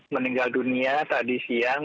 meninggal dunia saat di siang